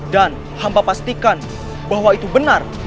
dan hamba pastikan bahwa itu benar